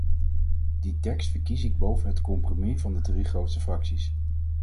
Die tekst verkies ik boven het compromis van de drie grootste fracties.